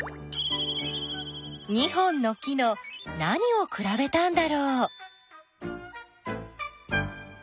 ２本の木の何をくらべたんだろう？